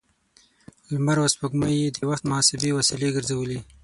لمر او سپوږمۍ يې د وخت د محاسبې وسیلې ګرځولې.